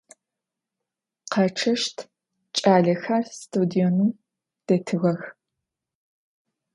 Kheççeşt ç'alexer stadionım detığex.